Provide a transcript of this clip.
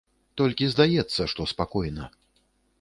Толькі здаецца, што спакойна.